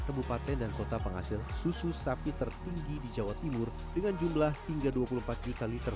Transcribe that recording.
kabupaten dan kota penghasil susu sapi tertinggi di jawa timur dengan jumlah hingga dua puluh empat juta liter